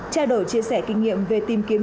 trao đổi chia sẻ kinh nghiệm về tìm kiếm